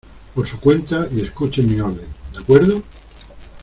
por su cuenta y escuchen mi orden, ¿ de acuerdo?